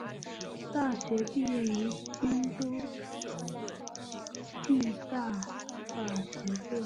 大学毕业于京都帝大法学部。